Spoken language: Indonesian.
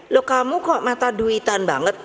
loh kamu kok mata duitan banget